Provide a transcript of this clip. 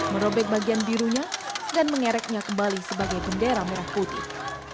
merobek bagian birunya dan mengereknya kembali sebagai bendera merah putih